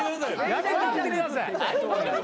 やめてあげてください。